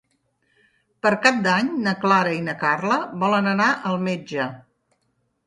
Per Cap d'Any na Clara i na Carla volen anar al metge.